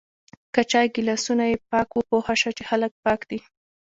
که چای ګلاسونه یی پاک و پوهه شه چی خلک پاک دی